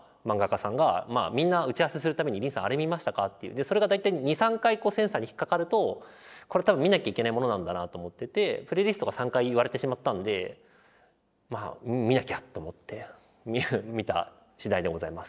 それが大体２３回センサーに引っかかるとこれ多分見なきゃいけないものなんだなと思ってて「プレイリスト」が３回言われてしまったんでまあ見なきゃと思って見た次第でございます。